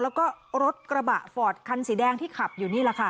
แล้วก็รถกระบะฟอร์ดคันสีแดงที่ขับอยู่นี่แหละค่ะ